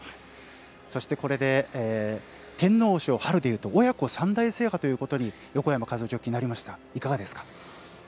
そしてこれで天皇賞でいうと親子３代制覇ということに横山和生ジョッキーなりました。